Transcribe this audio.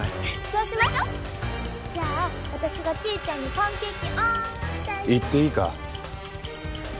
そうしましょじゃあ私がちーちゃんにパンケーキあーんしてあげる行っていいか？